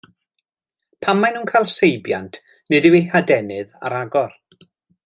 Pan maen nhw'n cael seibiant nid yw eu hadenydd ar agor.